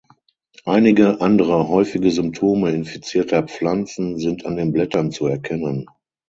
Einige andere häufige Symptome infizierter Pflanzen sind an den Blättern zu erkennen.